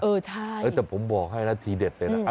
เออใช่แต่ผมบอกให้นะทีเด็ดไปนะ